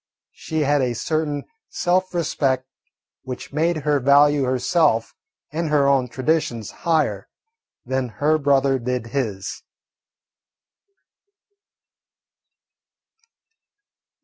She had a certain self respect which made her value herself and her own traditions higher than her brother did his.